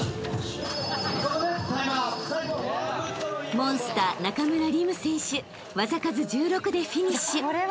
［モンスター中村輪夢選手技数１６でフィニッシュ］